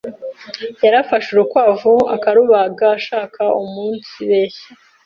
yarafashe urukwavu akarubaga ashaka umunsibeshya